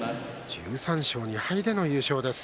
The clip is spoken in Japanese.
１３勝２敗での優勝です。